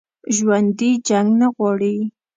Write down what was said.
ژوندي جنګ نه غواړي